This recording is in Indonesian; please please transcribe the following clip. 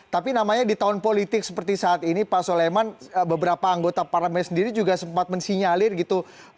tapi namanya di tahun politik seperti saat ini pak soleman beberapa anggota parlemen sendiri juga sempat mensinyalir gitu